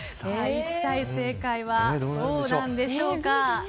一体正解はどうなんでしょうか。